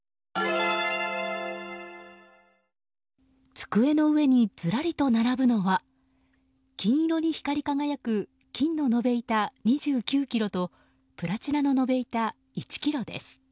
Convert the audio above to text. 机の上にずらりと並ぶのは金色に光り輝く金の延べ棒２９ｋｇとプラチナの延べ棒１ｋｇです。